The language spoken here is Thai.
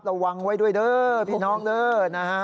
ระวังไว้ด้วยเด้อพี่น้องเด้อนะฮะ